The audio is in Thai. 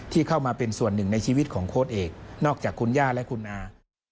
ที่เข้ามาเป็นส่วนหนึ่งในชีวิตของโค้ดเอกนอกจากคุณย่าและคุณอา